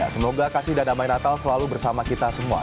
semoga kasih dan damai natal selalu bersama kita semua